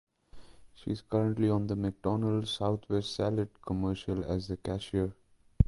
She is currently on the McDonald's "Southwest Salad" commercial as the cashier.